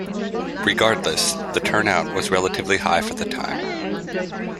Regardless, the turnout was relatively high for the time.